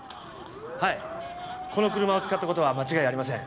はいこの車を使った事は間違いありません。